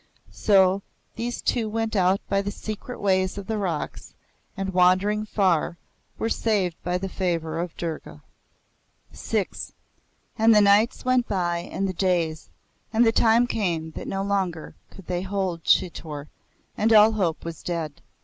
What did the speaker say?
So those two went out by the secret ways of the rocks, and wandering far, were saved by the favour of Durga. VI And the nights went by and the days, and the time came that no longer could they hold Chitor, and all hope was dead.